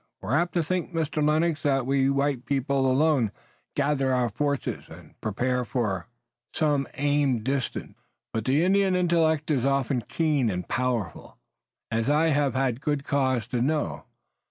We're apt to think, Mr. Lennox, that we white people alone gather our forces and prepare for some aim distant but great. But the Indian intellect is often keen and powerful, as I have had good cause to know.